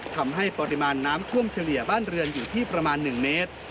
ทำให้ปริมาณน้ำท่วมเฉลี่ยบ้านเรือนอยู่ที่ประมาณ๑เมตร